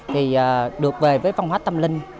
thì được về với văn hóa tâm linh